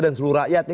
dan seluruh rakyatnya